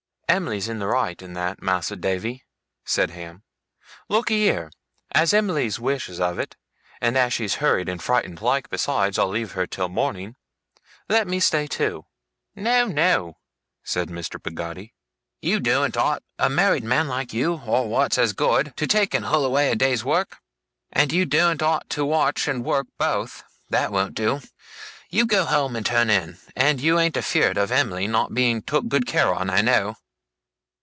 'Em'ly's in the right in that, Mas'r Davy!' said Ham. 'Lookee here! As Em'ly wishes of it, and as she's hurried and frightened, like, besides, I'll leave her till morning. Let me stay too!' 'No, no,' said Mr. Peggotty. 'You doen't ought a married man like you or what's as good to take and hull away a day's work. And you doen't ought to watch and work both. That won't do. You go home and turn in. You ain't afeerd of Em'ly not being took good care on, I know.